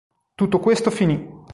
Tutto questo finì.